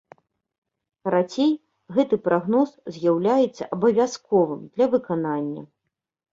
Карацей, гэты прагноз з'яўляецца абавязковым для выканання.